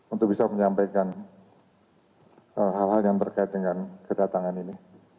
untuk bisa menyampaikan hal hal yang terkait dengan kedatangan ini